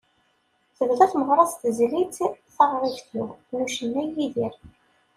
Tebda tmeɣra s tezlit “Taɣribt-iw” n ucennay Idir.